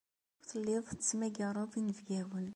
Ur telliḍ tettmagareḍ inebgawen.